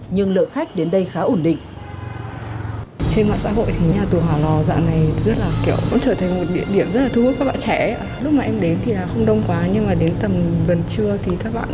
nhưng lượng khách đến đây khá ổn định